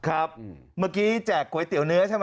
เมื่อกี้แจกก๋วยเตี๋ยวเนื้อใช่ไหม